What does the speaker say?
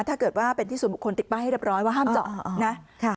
ถ้าเกิดว่าเป็นที่ส่วนบุคคลติดป้ายให้เรียบร้อยว่าห้ามเจาะนะ